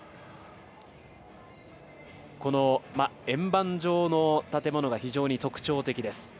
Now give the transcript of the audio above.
円盤状の建物が非常に特徴的です。